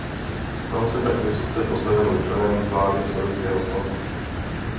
Stal se tak vysoce postaveným členem vlády Sovětského svazu.